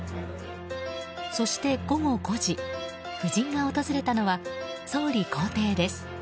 そして午後５時夫人が訪れたのは総理公邸です。